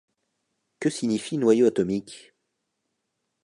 Que signifie noyau atomique ?